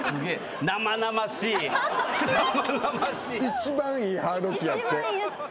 一番いいハード機やって。